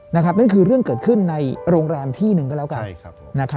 นั่นคือเรื่องเกิดขึ้นในโรงแรมที่หนึ่งก็แล้วกัน